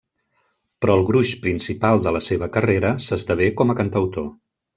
Però el gruix principal de la seva carrera s'esdevé com a cantautor.